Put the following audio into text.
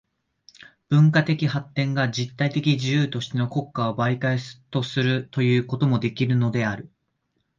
文化的発展が実体的自由としての国家を媒介とするということもできるのである。